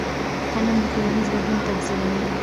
قلم د ټولنیز بدلون تمثیلوي